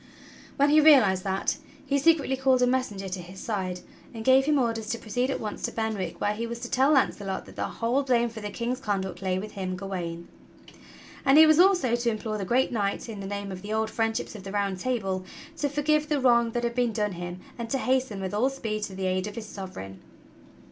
\\ hen he realized that, he secretly called a messenger to his side and gave him orders to proceed at once to Benwick where he was to tell Launcelot that the whole blame for the King's conduct lay with him, Gawain. And he was also to implore the great knight, in the name of the old friendships of the Round Table, to forgive the wrong that had been done him and to hasten with all speed to the aid of his Sovereign.